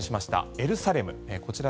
エルサレム